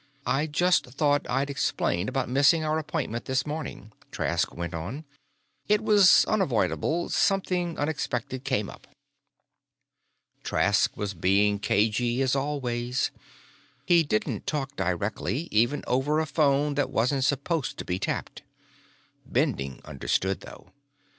"I just thought I'd explain about missing our appointment this morning," Trask went on. "It was unavoidable; something unexpected came up." Trask was being cagey, as always. He didn't talk directly, even over a phone that wasn't supposed to be tapped. Bending understood, though.